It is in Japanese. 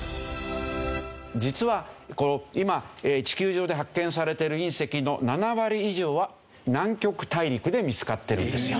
実は今地球上で発見されている隕石の７割以上は南極大陸で見つかってるんですよ。